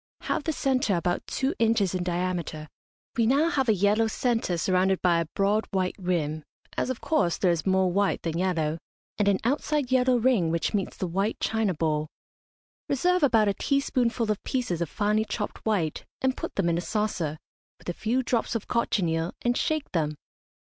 Have the centre about two inches in diameter. We now have a yellow centre surrounded by a broad white rim (as, of course, there is more white than yellow), and an outside yellow ring, which meets the white china bowl. Reserve about a teaspoonful of pieces of finely chopped white, and put them in a saucer, with a few drops of cochineal, and shake them.